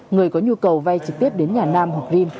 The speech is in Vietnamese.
người có nhu cầu vay trực tiếp đến nhà nam hoặc vinm